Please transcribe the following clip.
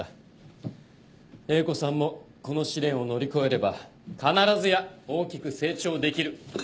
英子さんもこの試練を乗り越えれば必ずや大きく成長できる。